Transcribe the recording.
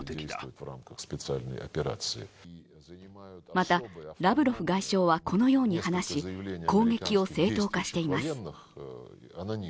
また、ラブロフ外相はこのように話し攻撃を正当化しています。